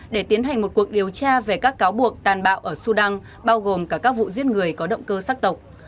để tiến hành một cuộc điều tra về các cáo buộc tàn bạo ở sudan bao gồm cả các vụ giết người có động cơ sắc tộc